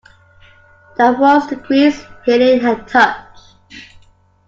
That was the grease Helene had touched.